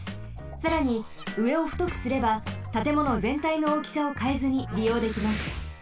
さらにうえをふとくすればたてものぜんたいの大きさをかえずにりようできます。